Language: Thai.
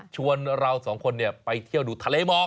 ชวนเราสองคนไปเที่ยวดูทะเลหมอก